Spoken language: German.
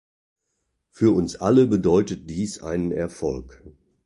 Für uns alle bedeutet dies einen Erfolg.